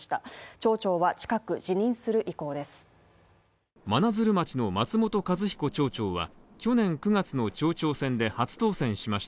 町長は近く、辞任する意向です。